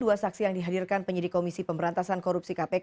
dua saksi yang dihadirkan penyidik komisi pemberantasan korupsi kpk